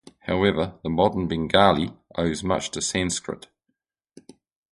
However the modern Bengali owes much to Sanskrit.